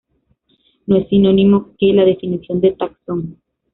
No es sinónimo que la definición de "taxón".